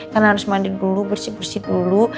karena harus mandi dulu bersih bersih dulu